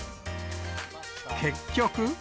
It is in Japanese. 結局。